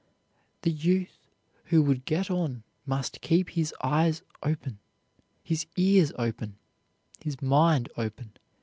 The youth who would get on must keep his eyes open, his ears open, his mind open.